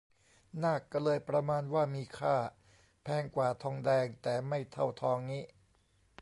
นากก็เลยประมาณว่ามีค่า แพงกว่าทองแดงแต่ไม่เท่าทองงี้